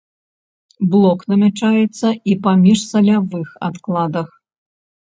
Блок намячаецца і па міжсалявых адкладах.